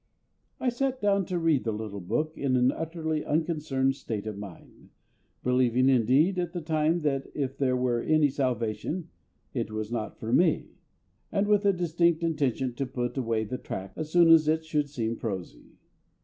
I sat down to read the little book in an utterly unconcerned state of mind, believing indeed at the time that if there were any salvation it was not for me, and with a distinct intention to put away the tract as soon as it should seem prosy.